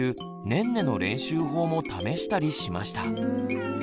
ねんねの練習法も試したりしました。